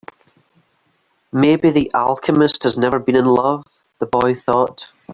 Maybe the alchemist has never been in love, the boy thought.